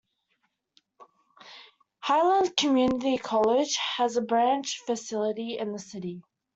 Highland Community College has a branch facility in the city.